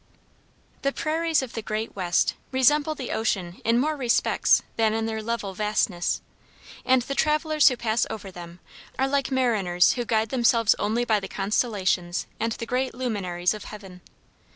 The prairies of the great West resemble the ocean in more respects than in their level vastness, and the travelers who pass over them are like mariners who guide themselves only by the constellations and the great luminaries of heaven.